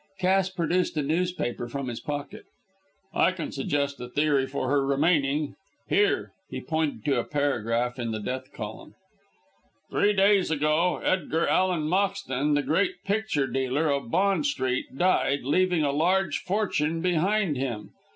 Cass produced a newspaper from his pocket. "I can suggest a theory for her remaining. Here" he pointed to a paragraph in the death column "three days ago, Edgar Allan Moxton, the great picture dealer of Bond Street, died, leaving a large fortune behind him.